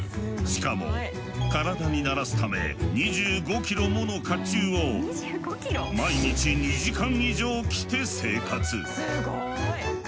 しかも体に慣らすため２５キロもの甲冑を毎日２時間以上着て生活。